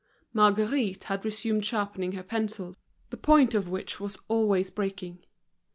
Marguerite had resumed sharpening her pencil, the point of which was always breaking.